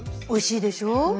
おいしいでしょ？